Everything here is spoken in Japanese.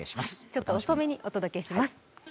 ちょっと遅めにお届けします。